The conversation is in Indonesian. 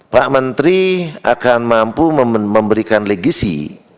pak menteri akan mampu memberikan legisi